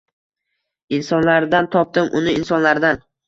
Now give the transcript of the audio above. Insonlardan topdim uni, insonlardan.